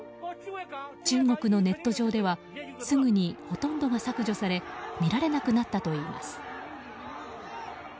中国のネット上ではすぐにほとんどが削除され見られなくなったといいます。